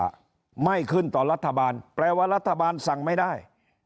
ว่าไม่ขึ้นต่อรัฐบาลแปลว่ารัฐบาลสั่งไม่ได้